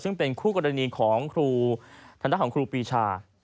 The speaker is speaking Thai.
ซึ่งเป็นคู่กรณีของครูทางด้านของครูปีชา